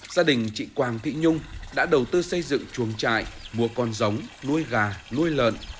gia đình chị quang thị nhung đã đầu tư xây dựng chuồng trại mua con giống nuôi gà nuôi lợn